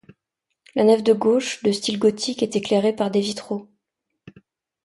La nef de gauche, de style gothique, est éclairée par des vitraux.